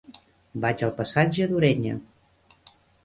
Vaig al passatge d'Ureña.